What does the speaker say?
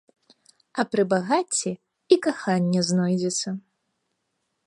А пры багацці і каханне знойдзецца.